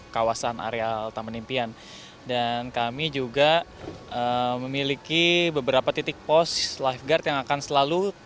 kawasan areal taman impian dan kami juga memiliki beberapa titik pos lifeguard yang akan selalu